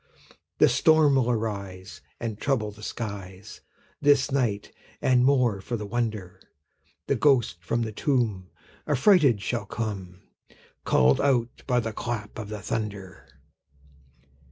The storm will arise, And trouble the skies This night; and, more for the wonder, The ghost from the tomb Affrighted shall come, Call'd out by the clap of the thunder.